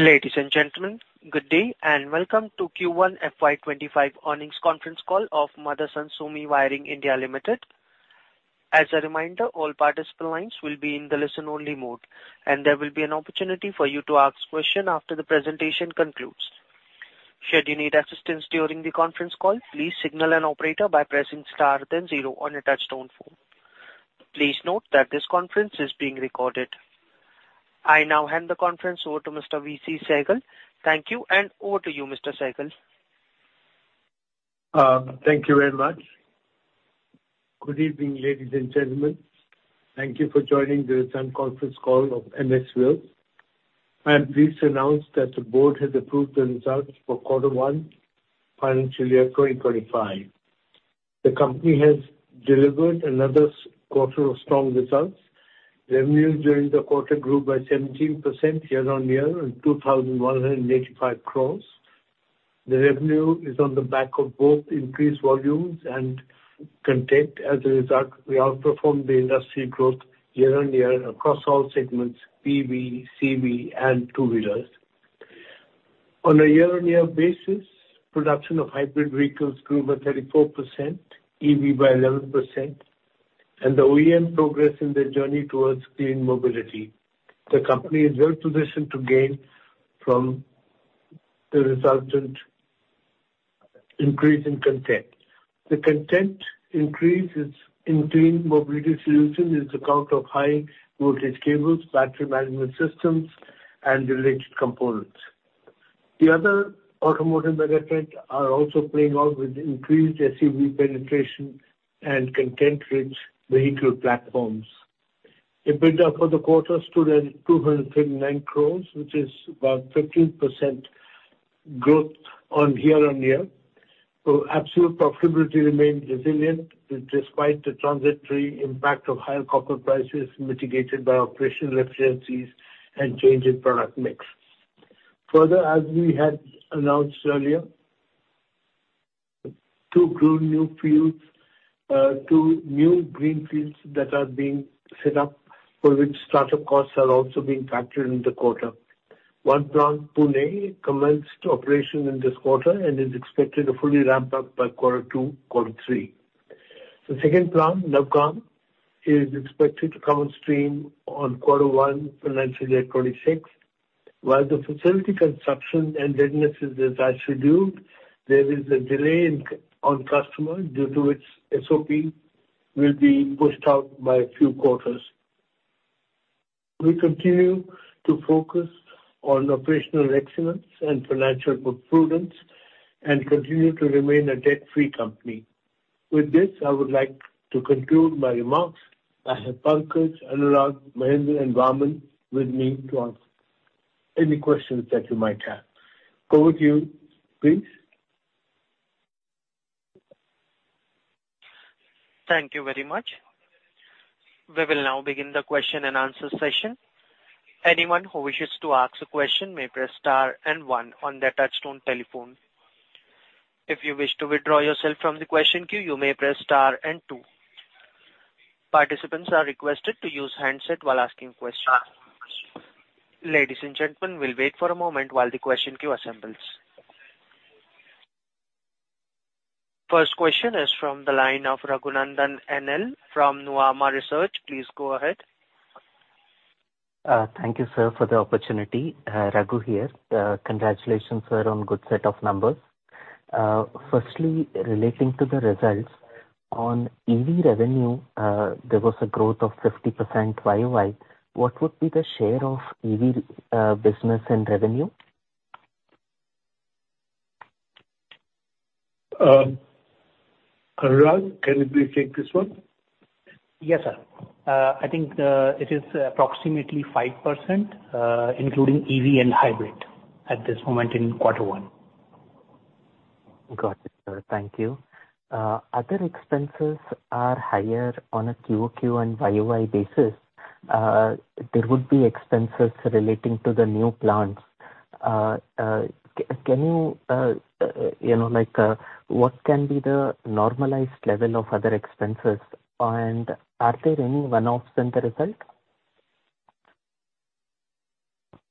Ladies and gentlemen, good day and welcome to Q1 FY25 earnings conference call of Motherson Sumi Wiring India Limited. As a reminder, all participant lines will be in the listen-only mode, and there will be an opportunity for you to ask questions after the presentation concludes. Should you need assistance during the conference call, please signal an operator by pressing star then zero on a touch-tone phone. Please note that this conference is being recorded. I now hand the conference over to Mr. V.C. Sehgal. Thank you, and over to you, Mr. Sehgal. Thank you very much. Good evening, ladies and gentlemen. Thank you for joining the Sumi conference call of MSWIL. I am pleased to announce that the board has approved the results for Q1, FY2025. The company has delivered another quarter of strong results. Revenue during the quarter grew by 17% year-on-year on 2,185 crores. The revenue is on the back of both increased volumes and content. As a result, we outperformed the industry growth year-on-year across all segments: EV, CV, and two-wheelers. On a year-on-year basis, production of hybrid vehicles grew by 34%, EV by 11%, and the OEMs progressed in their journey towards clean mobility. The company is well positioned to gain from the resultant increase in content. The content increase in clean mobility solution is the count of high-voltage cables, battery management systems, and related components. The other automotive megatrends are also playing out with increased SUV penetration and content-rich vehicle platforms. EBITDA for the quarter stood at 239 crores, which is about 15% growth year-on-year. Absolute profitability remained resilient despite the transitory impact of higher copper prices mitigated by operational efficiencies and change in product mix. Further, as we had announced earlier, two new greenfields that are being set up for which startup costs are also being factored in the quarter. One plant, Pune, commenced operation in this quarter and is expected to fully ramp up by Q2, Q3. The second plant, Navagam, is expected to come on stream on Q1, financial year 2026. While the facility construction and readiness is as scheduled, there is a delay on customer due to which SOP will be pushed out by a few quarters. We continue to focus on operational excellence and financial prudence and continue to remain a debt-free company. With this, I would like to conclude my remarks. I have Pankaj, Anurag, Mahendra, and Laksh Vaaman with me to answer any questions that you might have. Over to you, please. Thank you very much. We will now begin the Q&A session. Anyone who wishes to ask a question may press star and one on their touch-tone telephone. If you wish to withdraw yourself from the question queue, you may press star and two. Participants are requested to use handset while asking questions. Ladies and gentlemen, we'll wait for a moment while the question queue assembles. First question is from the line of Raghunandan N.L. from Nuvama Research. Please go ahead. Thank you, sir, for the opportunity. Raghu here. Congratulations, sir, on a good set of numbers. Firstly, relating to the results, on EV revenue, there was a growth of 50% YoY. What would be the share of EV business and revenue? Anurag, can you please take this one? Yes, sir. I think it is approximately 5%, including EV and hybrid, at this moment in Q1. Got it, sir. Thank you. Other expenses are higher on a QoQ and YoY basis. There would be expenses relating to the new plants. Can you like what can be the normalized level of other expenses, and are there any one-offs in the result?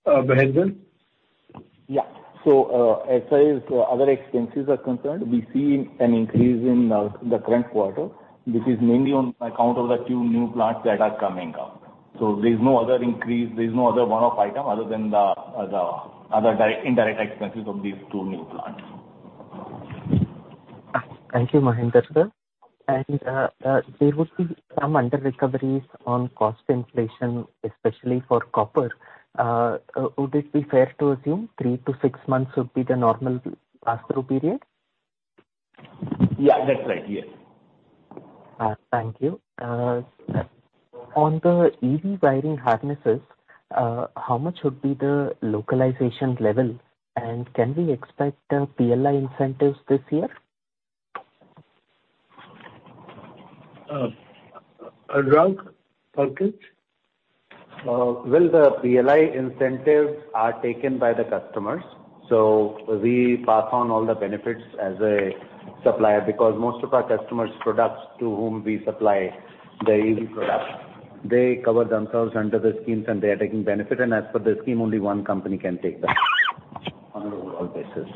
Mahendra? Yeah. So as far as other expenses are concerned, we see an increase in the current quarter, which is mainly on account of the two new plants that are coming up. So there is no other increase. There is no other one-off item other than the other indirect expenses of these two new plants. Thank you, Mahendra, sir. There would be some under-recoveries on cost inflation, especially for copper. Would it be fair to assume 3-6 months would be the normal pass-through period? Yeah, that's right. Yes. Thank you. On the EV wiring harnesses, how much would be the localization level, and can we expect PLI incentives this year? Anurag, Pankaj? Well, the PLI incentives are taken by the customers. We pass on all the benefits as a supplier because most of our customers' products to whom we supply the EV products, they cover themselves under the schemes, and they are taking benefit. As per the scheme, only one company can take them on an overall basis.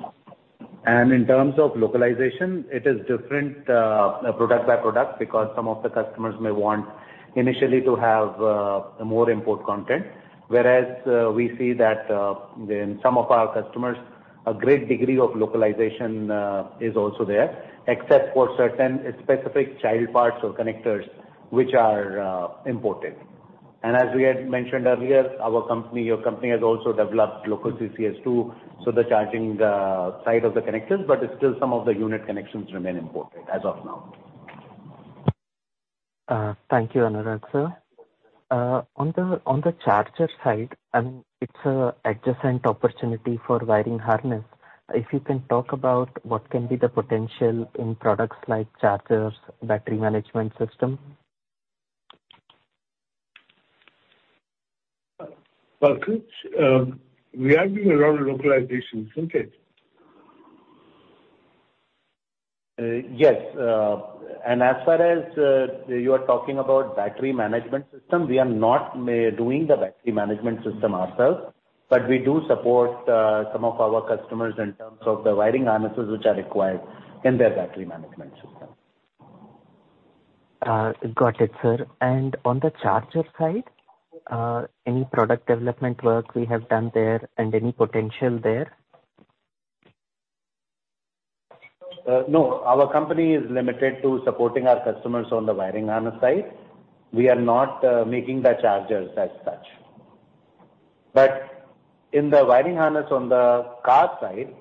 In terms of localization, it is different product by product because some of the customers may want initially to have more import content, whereas we see that in some of our customers, a great degree of localization is also there, except for certain specific child parts or connectors which are imported. As we had mentioned earlier, our company has also developed local CCS2, so the charging side of the connectors, but still some of the unit connections remain imported as of now. Thank you, Anurag, sir. On the charger side, it's an adjacent opportunity for wiring harness. If you can talk about what can be the potential in products like chargers, battery management system? Pankaj, we are doing a lot of localization, isn't it? Yes. And as far as you are talking about battery management system, we are not doing the battery management system ourselves, but we do support some of our customers in terms of the wiring harnesses which are required in their battery management system. Got it, sir. On the charger side, any product development work we have done there and any potential there? No, our company is limited to supporting our customers on the wiring harness side. We are not making the chargers as such. But in the wiring harness on the car side,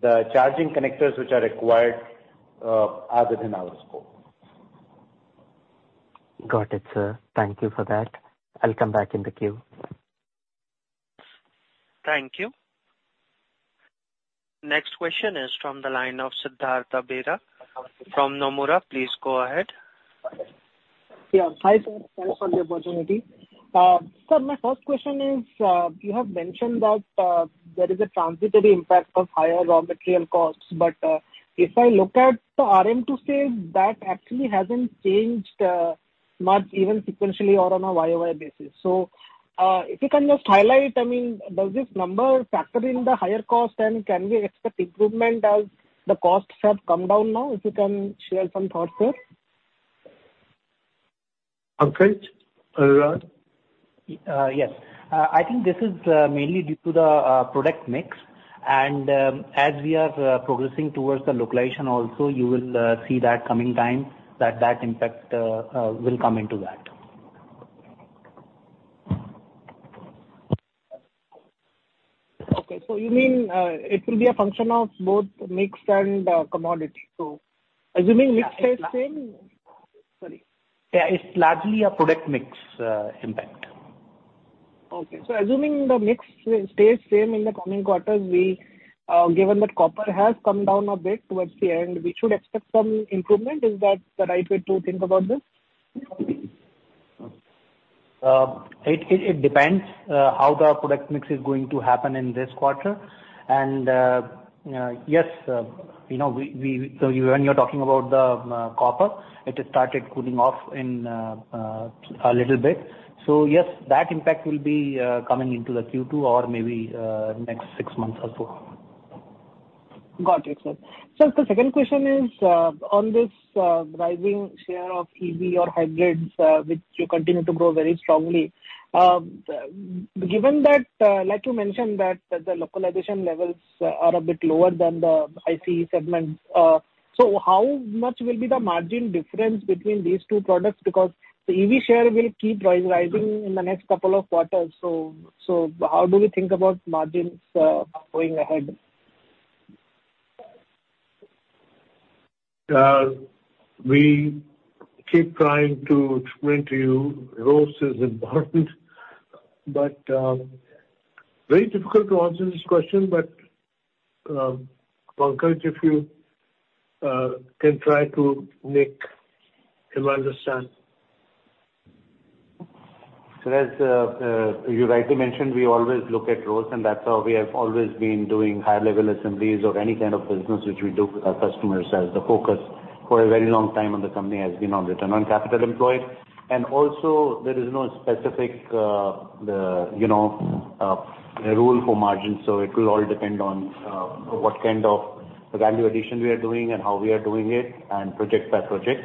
the charging connectors which are required are within our scope. Got it, sir. Thank you for that. I'll come back in the queue. Thank you. Next question is from the line of Siddhartha Bera. From Nomura, please go ahead. Yeah, hi sir. Thanks for the opportunity. Sir, my first question is, you have mentioned that there is a transitory impact of higher raw material costs, but if I look at the RM to sales, that actually hasn't changed much, even sequentially or on a YoY basis. So if you can just highlight, I mean, does this number factor in the higher cost, and can we expect improvement as the costs have come down now? If you can share some thoughts, sir. Pankaj, Anurag? Yes. I think this is mainly due to the product mix. As we are progressing towards the localization also, you will see that coming time that that impact will come into that. Okay. So you mean it will be a function of both mix and commodity? So assuming mix stays the same, sorry. Yeah, it's largely a product mix impact. Okay. So assuming the mix stays the same in the coming quarters, given that copper has come down a bit towards the end, we should expect some improvement. Is that the right way to think about this? It depends how the product mix is going to happen in this quarter. Yes, when you're talking about the copper, it has started cooling off a little bit. Yes, that impact will be coming into the Q2 or maybe next six months or so. Got it, sir. Sir, the second question is on this rising share of EV or hybrids, which continue to grow very strongly. Given that, like you mentioned, that the localization levels are a bit lower than the ICE segment, so how much will be the margin difference between these two products? Because the EV share will keep rising in the next couple of quarters. So how do we think about margins going ahead? We keep trying to explain to you growth is important, but very difficult to answer this question. But Pankaj, if you can try to make him understand. Sir, as you rightly mentioned, we always look at growth, and that's how we have always been doing higher-level assemblies or any kind of business which we do with our customers, as the focus for a very long time on the company has been on return on capital employed. And also, there is no specific rule for margins. So it will all depend on what kind of value addition we are doing and how we are doing it and project by project.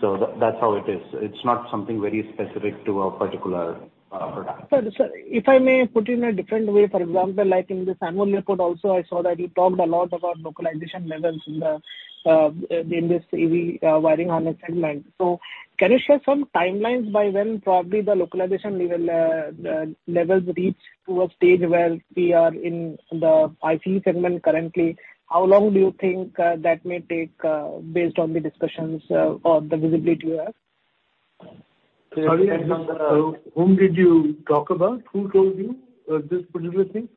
So that's how it is. It's not something very specific to a particular product. Sir, if I may put it in a different way, for example, like in the Annual Report also, I saw that you talked a lot about localization levels in this EV wiring harness segment. So can you share some timelines by when probably the localization levels reach to a stage where we are in the ICE segment currently? How long do you think that may take based on the discussions or the visibility you have? Sorry, whom did you talk about? Who told you this particular thing?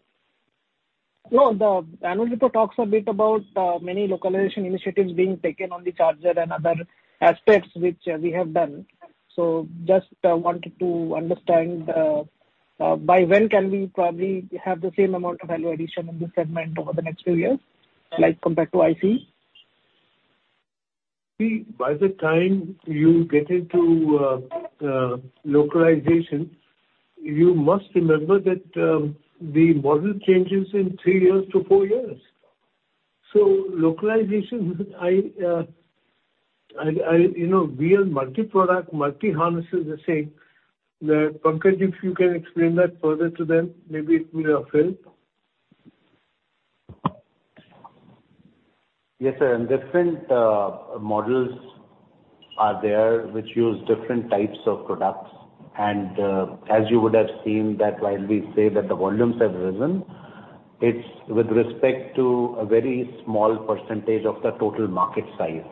No, the Anurag talks a bit about many localization initiatives being taken on the charger and other aspects which we have done. So just wanted to understand by when can we probably have the same amount of value addition in this segment over the next few years compared to ICE? By the time you get into localization, you must remember that the model changes in 3-4 years. So localization, we are multi-product, multi-harnesses the same. Pankaj, if you can explain that further to them, maybe it will help. Yes, sir. And different models are there which use different types of products. And as you would have seen, that while we say that the volumes have risen, it's with respect to a very small percentage of the total market size.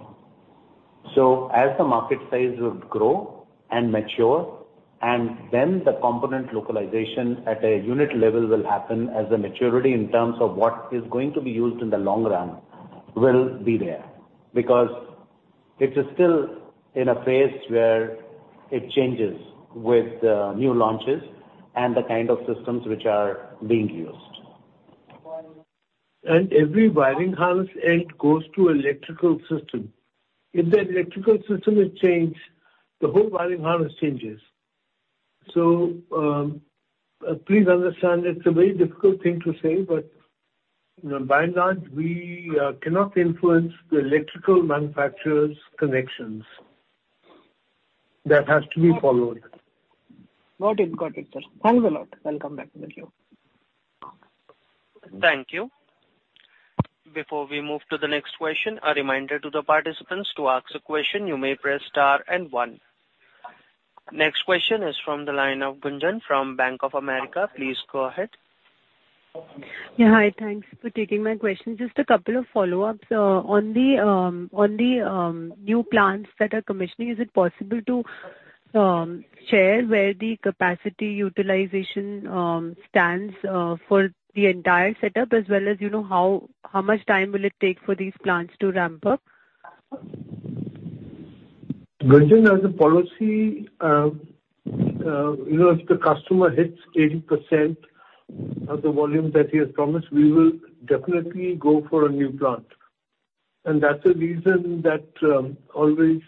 So as the market size will grow and mature, and then the component localization at a unit level will happen as the maturity in terms of what is going to be used in the long run will be there. Because it is still in a phase where it changes with new launches and the kind of systems which are being used. Every wiring harness end goes to electrical system. If the electrical system is changed, the whole wiring harness changes. Please understand it's a very difficult thing to say, but by and large, we cannot influence the electrical manufacturer's connections. That has to be followed. Got it. Got it, sir. Thanks a lot. I'll come back with you. Thank you. Before we move to the next question, a reminder to the participants to ask a question. You may press star and one. Next question is from the line of Gunjan, from Bank of America. Please go ahead. Yeah, hi. Thanks for taking my question. Just a couple of follow-ups. On the new plants that are commissioning, is it possible to share where the capacity utilization stands for the entire setup, as well as how much time will it take for these plants to ramp up? Gunjan, as a policy, if the customer hits 80% of the volume that he has promised, we will definitely go for a new plant. That's the reason that always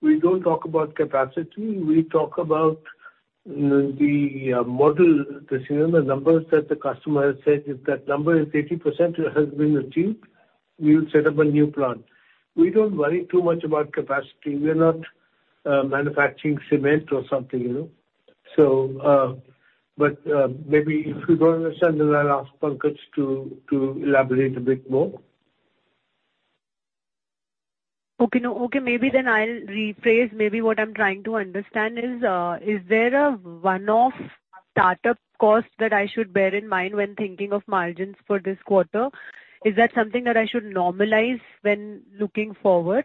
we don't talk about capacity. We talk about the model, the numbers that the customer has said. If that number is 80%, it has been achieved, we will set up a new plant. We don't worry too much about capacity. We are not manufacturing cement or something. But maybe if you don't understand, then I'll ask Pankaj to elaborate a bit more. Okay. Okay. Maybe then I'll rephrase. Maybe what I'm trying to understand is, is there a one-off startup cost that I should bear in mind when thinking of margins for this quarter? Is that something that I should normalize when looking forward?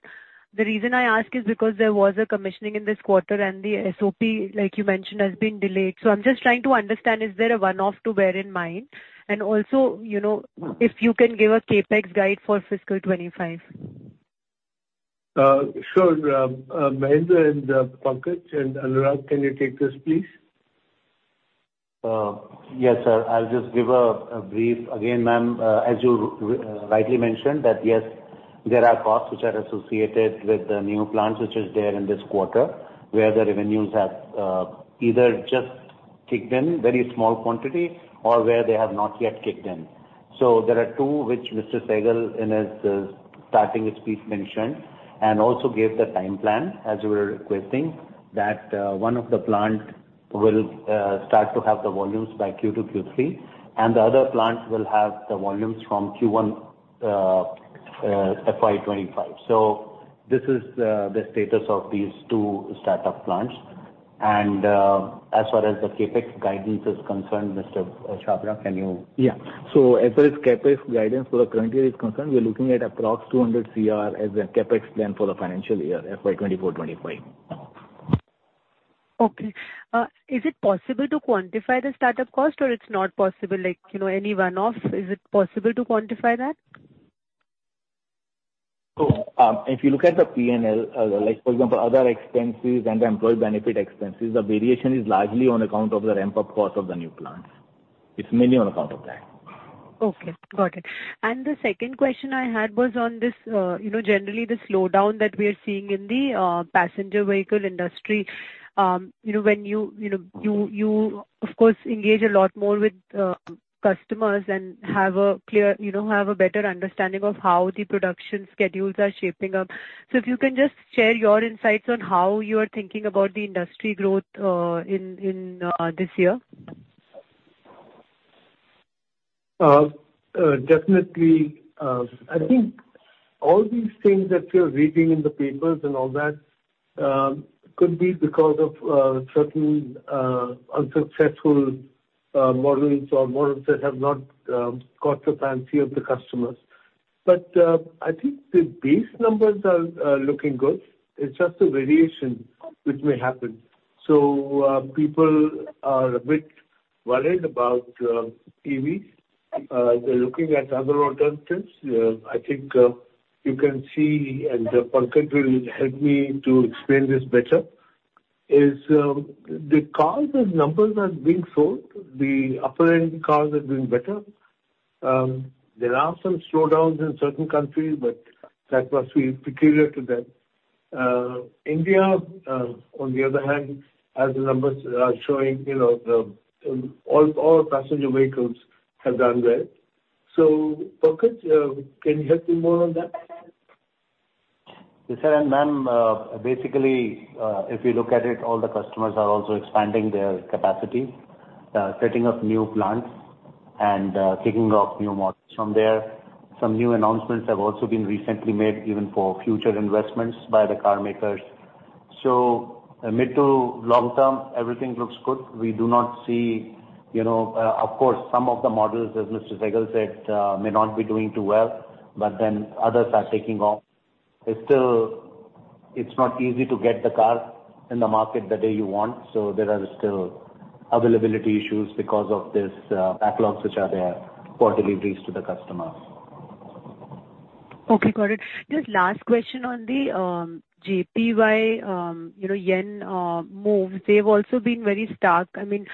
The reason I ask is because there was a commissioning in this quarter, and the SOP, like you mentioned, has been delayed. So I'm just trying to understand, is there a one-off to bear in mind? And also, if you can give a CAPEX guide for FY2025. Sure. Mahendra and Pankaj and Anurag, can you take this, please? Yes, sir. I'll just give a brief again, ma'am. As you rightly mentioned, that yes, there are costs which are associated with the new plants which are there in this quarter, where the revenues have either just kicked in, very small quantity, or where they have not yet kicked in. So there are two which Mr. Sehgal, in his starting speech, mentioned and also gave the time plan, as you were requesting, that one of the plants will start to have the volumes by Q2, Q3, and the other plant will have the volumes from Q1, FY2025. So this is the status of these two startup plants. And as far as the CAPEX guidance is concerned, Mr. Chhabra, can you? Yeah. So as far as CAPEX guidance for the current year is concerned, we're looking at approximately 200 crore as a CAPEX plan for the financial year, FY2024-25. Okay. Is it possible to quantify the startup cost, or it's not possible? Any one-off? Is it possible to quantify that? If you look at the P&L, for example, other expenses and the employee benefit expenses, the variation is largely on account of the ramp-up cost of the new plant. It's mainly on account of that. Okay. Got it. And the second question I had was on generally the slowdown that we are seeing in the passenger vehicle industry. When you, of course, engage a lot more with customers and have a better understanding of how the production schedules are shaping up. So if you can just share your insights on how you are thinking about the industry growth in this year. Definitely. I think all these things that you're reading in the papers and all that could be because of certain unsuccessful models or models that have not caught the fancy of the customers. But I think the base numbers are looking good. It's just the variation which may happen. So people are a bit worried about EVs. They're looking at other alternatives. I think you can see, and Pankaj will help me to explain this better, is the cars and numbers are being sold. The upper-end cars are doing better. There are some slowdowns in certain countries, but that must be peculiar to them. India, on the other hand, as the numbers are showing, all passenger vehicles have done well. So Pankaj, can you help me more on that? Yes, sir. And ma'am, basically, if you look at it, all the customers are also expanding their capacity, setting up new plants, and kicking off new models from there. Some new announcements have also been recently made, even for future investments by the car makers. So mid to long term, everything looks good. We do not see, of course, some of the models, as Mr. Sehgal said, may not be doing too well, but then others are taking off. It's not easy to get the car in the market the day you want. So there are still availability issues because of these backlogs which are there for deliveries to the customers. Okay. Got it. Just last question on the JPY yen move. They've also been very stark. I mean,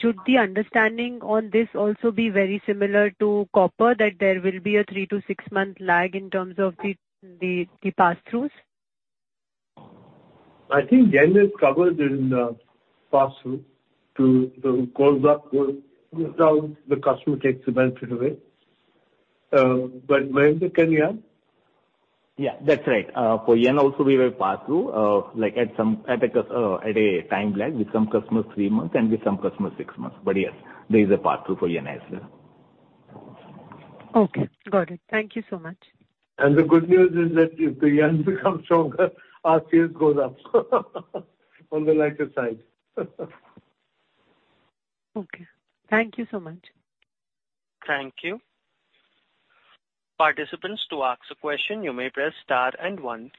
should the understanding on this also be very similar to copper, that there will be a 3- to 6-month lag in terms of the pass-throughs? I think Yen is covered in the pass-through to the customer. The customer takes the benefit of it. But Mahendra, can you add? Yeah, that's right. For Yen, also, we have a pass-through at a time lag with some customers three months and with some customers six months. But yes, there is a pass-through for Yen as well. Okay. Got it. Thank you so much. The good news is that if the Yen becomes stronger, our sales go up on the latter side. Okay. Thank you so much. Thank you. Participants, to ask a question, you may press star and one.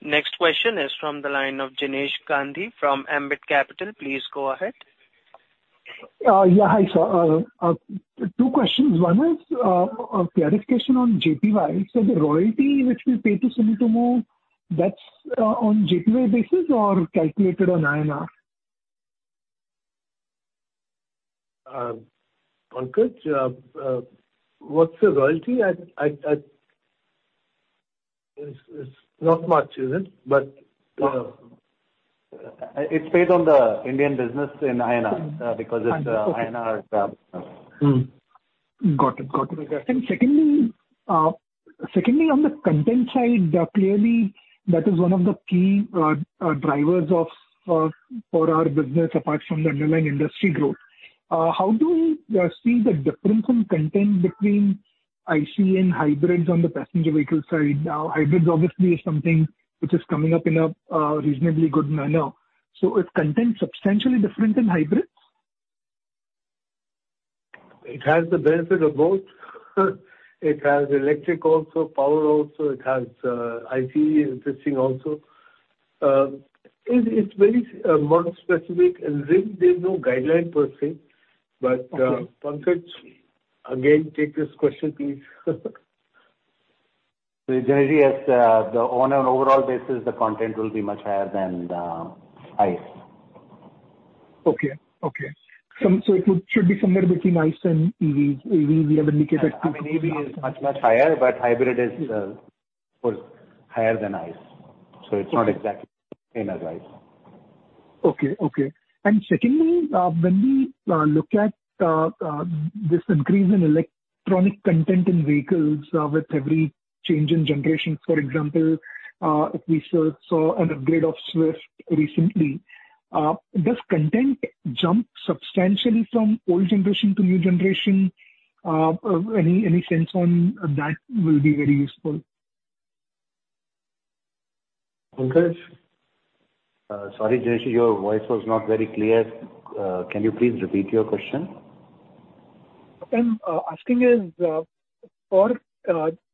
Next question is from the line of Jinesh Gandhi from Ambit Capital. Please go ahead. Yeah, hi, sir. Two questions. One is clarification on JPY. So the royalty which we pay to Sumitomo, that's on JPY basis or calculated on INR? Pankaj, what's the royalty? It's not much, is it? But. It's paid on the Indian business in INR because it's INR business. Got it. Got it. Secondly, on the content side, clearly, that is one of the key drivers for our business, apart from the underlying industry growth. How do we see the difference in content between ICE and hybrids on the passenger vehicle side? Hybrids, obviously, is something which is coming up in a reasonably good manner. So is content substantially different in hybrids? It has the benefit of both. It has electric also, power also. It has ICE existing also. It's very model-specific, and there's no guideline per se. But Pankaj, again, take this question, please. Generally, yes, the overall basis, the content will be much higher than ICE. Okay. Okay. It should be somewhere between ICE and EVs. EV, we have indicated. I mean, EV is much, much higher, but hybrid is higher than ICE. So it's not exactly the same as ICE. Okay. Okay. Secondly, when we look at this increase in electronic content in vehicles with every change in generation, for example, if we saw an upgrade of Swift recently, does content jump substantially from old generation to new generation? Any sense on that will be very useful. Pankaj? Sorry, Jinesh, your voice was not very clear. Can you please repeat your question? I'm asking is, for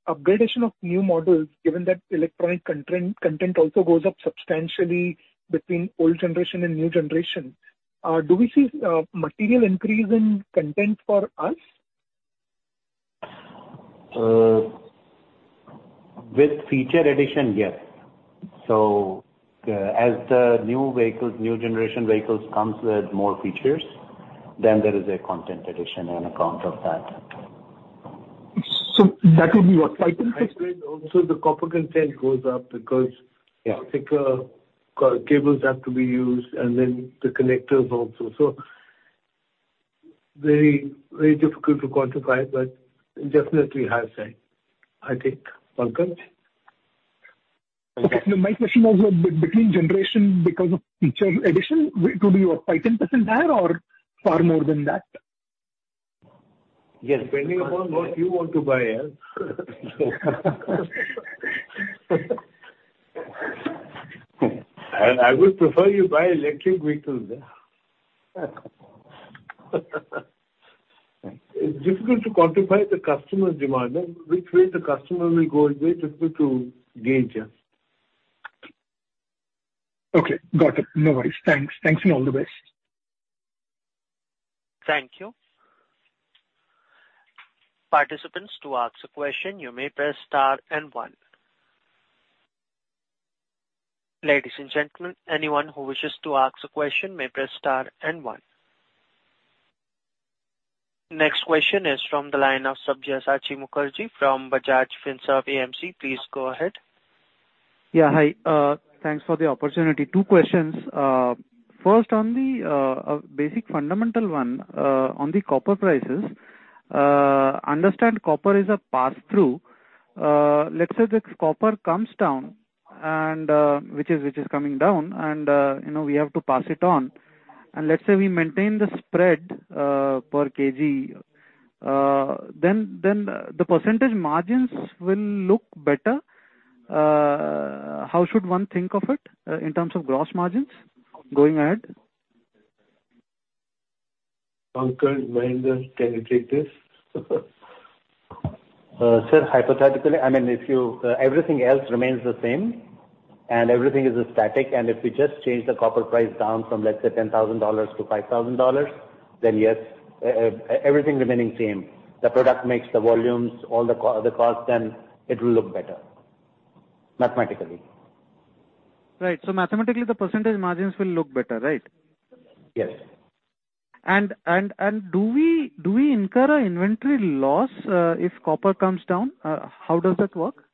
upgradation of new models, given that electronic content also goes up substantially between old generation and new generation, do we see material increase in content for us? With feature addition, yes. So as the new generation vehicles come with more features, then there is a content addition on account of that. So that would be what? I think also the copper content goes up because thicker cables have to be used, and then the connectors also. Very difficult to quantify, but definitely high side, I think. Pankaj? My question was, between generation, because of feature addition, it would be what, 5, 10% higher or far more than that? Yes, depending upon what you want to buy, yes. I would prefer you buy electric vehicles. It's difficult to quantify the customer's demand. Which way the customer will go is very difficult to gauge. Okay. Got it. No worries. Thanks. Thanks and all the best. Thank you. Participants, to ask a question, you may press star and one. Ladies and gentlemen, anyone who wishes to ask a question may press star and one. Next question is from the line of Sabyasachi Mukerji from Bajaj Finserv AMC. Please go ahead. Yeah, hi. Thanks for the opportunity. 2 questions. First, on the basic fundamental one, on the copper prices, understand copper is a pass-through. Let's say the copper comes down, which is coming down, and we have to pass it on. And let's say we maintain the spread per kg, then the percentage margins will look better. How should one think of it in terms of gross margins going ahead? Pankaj, Mahendra, can you take this? Sir, hypothetically, I mean, if everything else remains the same and everything is static, and if we just change the copper price down from, let's say, $10,000 to $5,000, then yes, everything remaining same. The product makes the volumes, all the costs, then it will look better mathematically. Right. Mathematically, the percentage margins will look better, right? Yes. Do we incur an inventory loss if copper comes down? How does that work?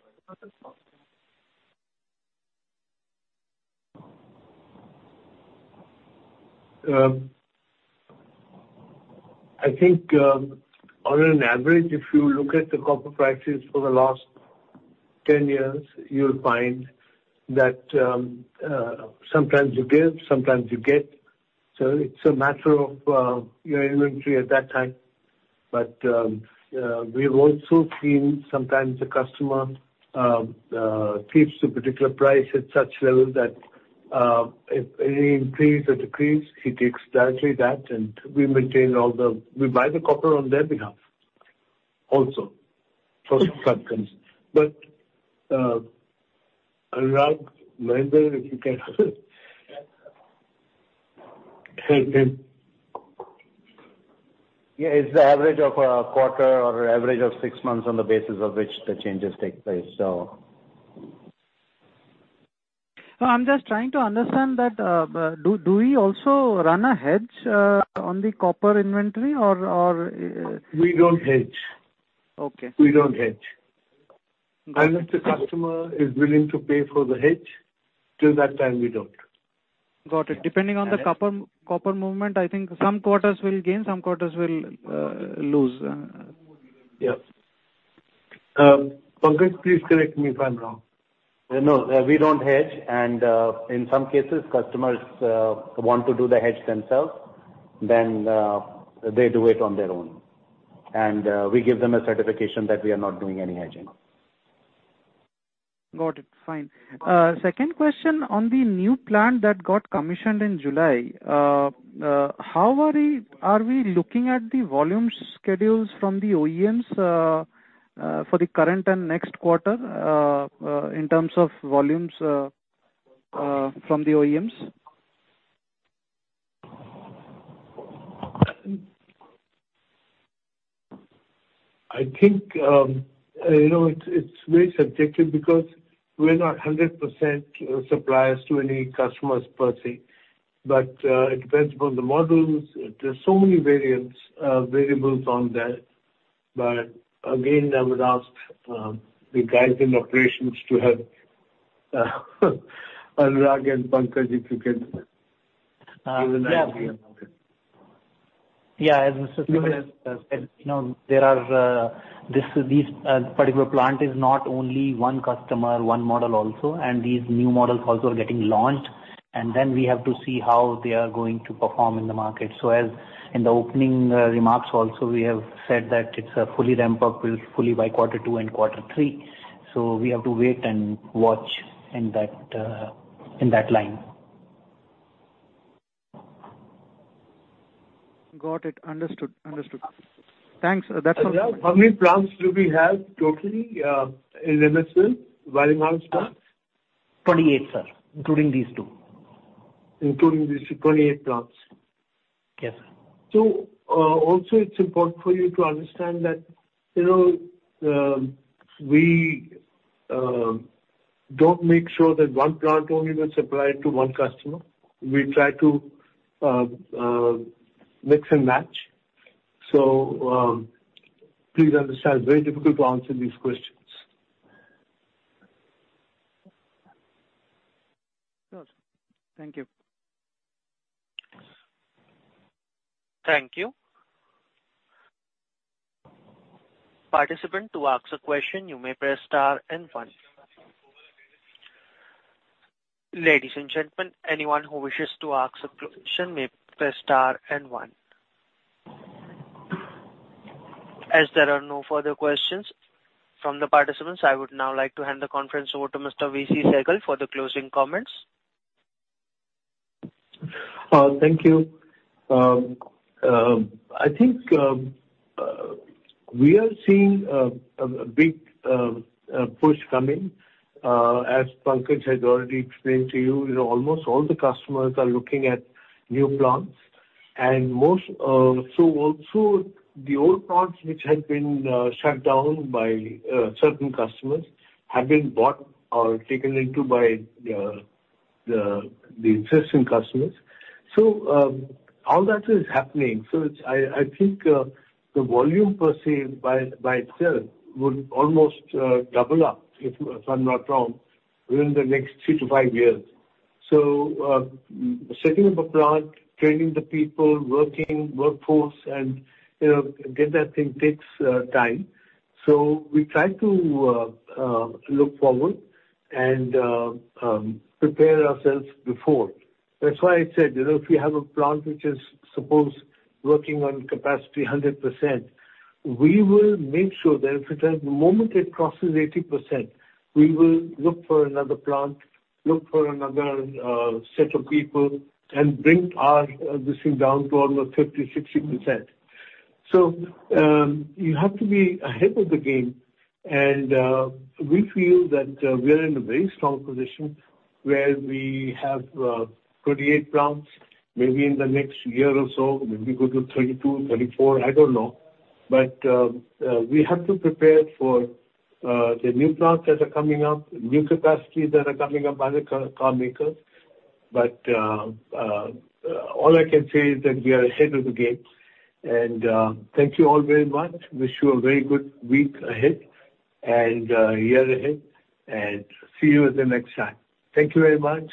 I think, on an average, if you look at the copper prices for the last 10 years, you'll find that sometimes you give, sometimes you get. So it's a matter of your inventory at that time. But we've also seen sometimes the customer keeps a particular price at such level that if any increase or decrease, he takes directly that, and we maintain all the we buy the copper on their behalf also for some content. But Anurag, Mahendra, if you can help him. Yeah. It's the average of a quarter or an average of six months on the basis of which the changes take place, so. I'm just trying to understand that. Do we also run a hedge on the copper inventory, or? We don't hedge. We don't hedge. Unless the customer is willing to pay for the hedge, till that time, we don't. Got it. Depending on the copper movement, I think some quarters will gain, some quarters will lose. Yeah. Pankaj, please correct me if I'm wrong. No, we don't hedge. In some cases, customers want to do the hedge themselves, then they do it on their own. We give them a certification that we are not doing any hedging. Got it. Fine. Second question on the new plant that got commissioned in July. How are we looking at the volume schedules from the OEMs for the current and next quarter in terms of volumes from the OEMs? I think it's very subjective because we're not 100% suppliers to any customers per se. It depends upon the models. There's so many variables on that. Again, I would ask the guys in operations to help Anurag and Pankaj if you can give an idea about it. Yeah. As Mr. Sehgal said, there are this particular plant is not only one customer, one model also. And these new models also are getting launched. And then we have to see how they are going to perform in the market. So as in the opening remarks also, we have said that it's a fully ramp-up, fully by Q2 and q3. So we have to wait and watch in that line. Got it. Understood. Understood. Thanks. That's all. How many plants do we have totally in Motherson Wiring Harness Plant? 28, sir, including these 2. Including these two, 28 plants. Yes, sir. Also, it's important for you to understand that we don't make sure that one plant only will supply to one customer. We try to mix and match. Please understand, very difficult to answer these questions. Good. Thank you. Thank you. Participant to ask a question, you may press star and one. Ladies and gentlemen, anyone who wishes to ask a question may press star and one. As there are no further questions from the participants, I would now like to hand the conference over to Mr. V.C. Sehgal for the closing comments. Thank you. I think we are seeing a big push coming. As Pankaj has already explained to you, almost all the customers are looking at new plants. And so the old plants, which had been shut down by certain customers, have been bought or taken into by the existing customers. So all that is happening. So I think the volume per se by itself would almost double up, if I'm not wrong, within the next three to five years. So setting up a plant, training the people, working workforce, and get that thing takes time. So we try to look forward and prepare ourselves before. That's why I said if we have a plant which is supposed working on capacity 100%, we will make sure that the moment it crosses 80%, we will look for another plant, look for another set of people, and bring our listing down to almost 50%-60%. So you have to be ahead of the game. And we feel that we are in a very strong position where we have 28 plants. Maybe in the next year or so, maybe we go to 32, 34. I don't know. But we have to prepare for the new plants that are coming up, new capacities that are coming up by the car makers. But all I can say is that we are ahead of the game. And thank you all very much. Wish you a very good week ahead and year ahead. And see you at the next time. Thank you very much.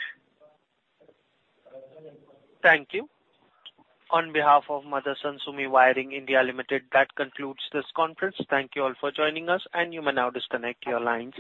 Thank you. On behalf of Motherson Sumi Wiring India Limited, that concludes this conference. Thank you all for joining us, and you may now disconnect your lines.